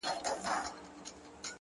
له خدای وطن سره عجیبه مُحبت کوي؛